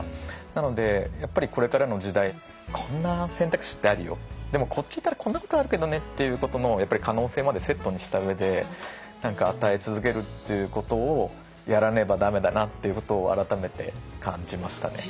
なのでやっぱりこれからの時代こんな選択肢ってあるよでもこっち行ったらこんなことあるけどねっていうことのやっぱり可能性までセットにした上で何か与え続けるっていうことをやらねば駄目だなっていうことを改めて感じましたね。